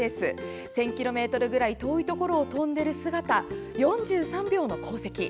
１０００ｋｍくらい遠いところを飛んでいる姿、４３秒の航跡。